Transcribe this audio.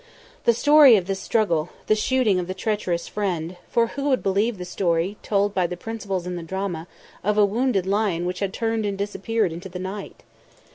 The story of this struggle, the shooting of the treacherous friend for who would believe the story, told by the principals in the drama, of a wounded lion which had turned and disappeared into the night?